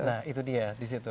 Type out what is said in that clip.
nah itu dia disitu